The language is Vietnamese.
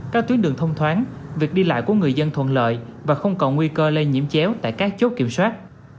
các tuyến đường thông thoáng việc đi lại của người dân thuận lợi và không còn nguy cơ lây nhiễm chéo tại các chốt kiểm soát